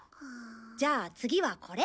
じゃあ次はこれ！